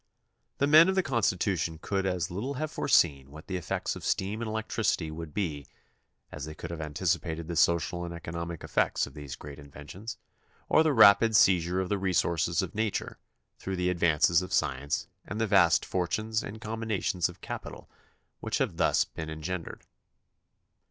The men of the Constitution could as little have foreseen what the effects of steam and electricity would be as they could have anticipated the social and economic effects of these great inventions or the rapid seizure of the resources of nature through the advances of science and the vast fortunes and combinations of capital which have thus been engendered.